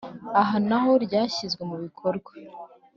Aha na ho ryashyizwe mu bikorwa